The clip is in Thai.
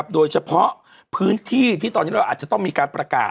โดยเฉพาะพื้นที่ที่ตอนนี้เราอาจจะต้องมีการประกาศ